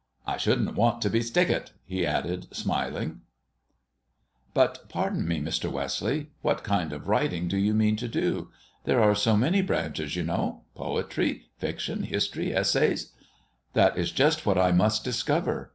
I shouldn't want to be 'stickit,'" he added, smiling. "But pardon me, Mr. Wesley what kind of writing do you mean to do? There are so many branches, you know: poetry, fiction, history, essays" "That is just what I must discover.